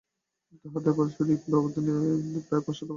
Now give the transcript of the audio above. তাঁহাদের পারস্পরিক ব্যবধান প্রায় পাঁচশত বৎসরের।